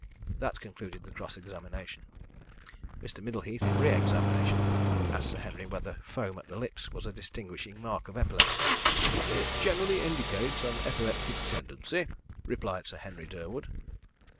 That concluded the cross examination. Mr. Middleheath, in re examination, asked Sir Henry whether foam at the lips was a distinguishing mark of epilepsy. "It generally indicates an epileptic tendency," replied Sir Henry Durwood.